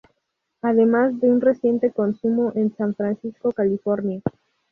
Además de un reciente consumo en San Francisco, California.